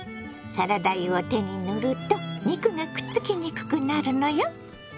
サラダ油を手に塗ると肉がくっつきにくくなるのよ。